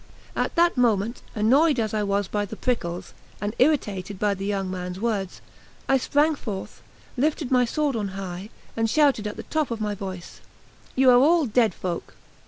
At that moment, annoyed as I was by the prickles, and irritated by the young man's words, I sprang forth, lifted my sword on high, and shouted at the top of my voice: "You are all dead folk!"